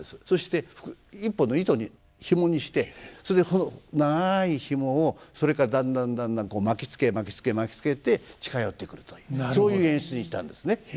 そして一本の糸にひもにしてそれでその長いひもをそれからだんだんだんだん巻きつけ巻きつけ巻きつけて近寄ってくるというそういう演出にしたんですね。